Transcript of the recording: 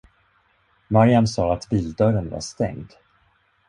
Maryam sa att bildörren var stängd.